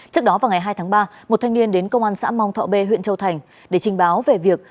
trước đó vào ngày hai tháng ba một thanh niên đến công an xã mong thọ b huyện châu thành để trình báo về việc